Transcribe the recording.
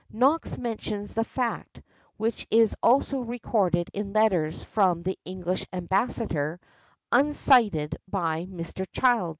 Knox mentions the fact, which is also recorded in letters from the English ambassador, uncited by Mr. Child.